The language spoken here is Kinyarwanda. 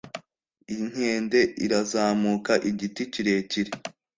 Inkende irazamuka igiti kirekire.